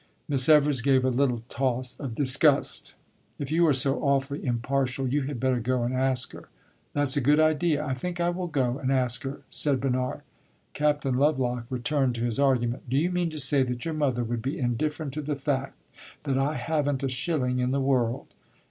Miss Evers gave a little toss of disgust. "If you are so awfully impartial, you had better go and ask her." "That 's a good idea I think I will go and ask her," said Bernard. Captain Lovelock returned to his argument. "Do you mean to say that your mother would be indifferent to the fact that I have n't a shilling in the world?"